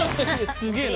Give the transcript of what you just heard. すげえな。